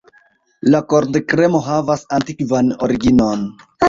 La koldkremo havas antikvan originon.